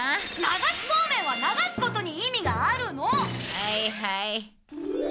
はいはい。